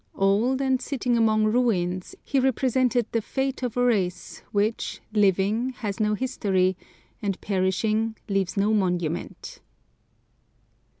Old, and sitting among ruins, he represented the fate of a race which, living, has no history, and perishing leaves no monument.